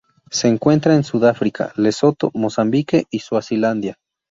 Se encuentra en Sudáfrica, Lesoto, Mozambique, y Suazilandia.